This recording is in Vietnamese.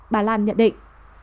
bà lan nhận định